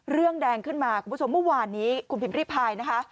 เรื่องแดงขึ้นมาคุณผู้ชมเมื่อวานนี้คุณพิมพิพายนะคะ